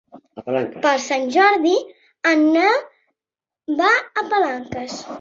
Per Sant Jordi en Nel va a Palanques.